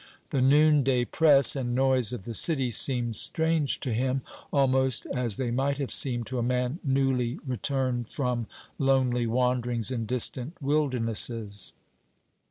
The noonday press and noise of the City seemed strange to him, almost as they might have seemed to a man newly returned from lonely wanderings in distant wildernesses.